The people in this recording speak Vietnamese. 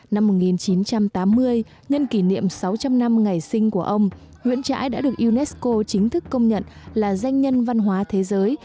năm một nghìn chín trăm tám mươi nhân kỷ niệm sáu trăm linh năm ngày sinh của ông nguyễn trãi đã được unesco chính thức công nhận là danh nhân văn hóa thế giới